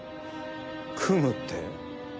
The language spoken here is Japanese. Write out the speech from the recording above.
組むって？